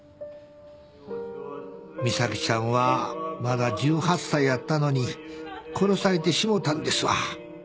美咲ちゃんはまだ１８歳やったのに殺されてしもうたんですわ。